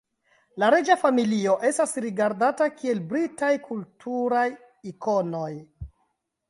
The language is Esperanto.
La reĝa familio estas rigardata kiel Britaj kulturaj ikonoj.